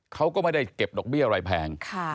เขาก็ไม่ได้เก็บดอกเบี้ยอะไรแพง